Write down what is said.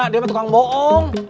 dia mah tukang bohong